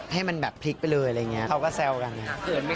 ให้มันแบบพลิกไปเลยอะไรอย่างนี้เขาก็แซวกันไง